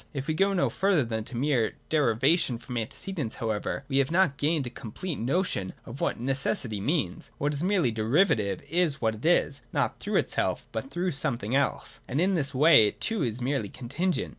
If we go no further than mere deri vation from antecedents however, we have not gained a complete notion of what necessity means. What is merely 268 THE DOCTRINE OF ESSENCE. [i47 derivative, is what it is, not through itself, but through some thing else ; and in this way it too is merely contingent.